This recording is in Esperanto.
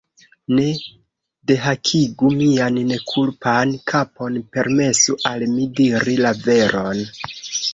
ne dehakigu mian nekulpan kapon, permesu al mi diri la veron!